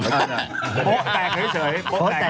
โป๊ะแตกเฉย